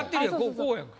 こうやんか。